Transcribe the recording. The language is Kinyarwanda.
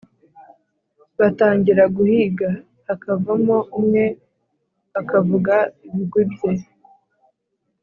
batangira guhiga: hakavamo umwe, akavuga ibigwi bye